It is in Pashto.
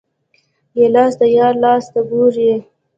ګیلاس د یار لاس ته ګوري.